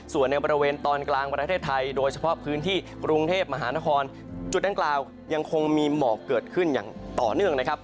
ส่วนในบริเวณตอนกลางประเทศไทยโดยเฉพาะพื้นที่กรุงเทพมหานครจุดดังกล่าวยังคงมีหมอกเกิดขึ้นอย่างต่อเนื่องนะครับ